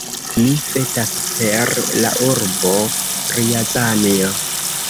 Mi vetas per la urbo Rjazanjo!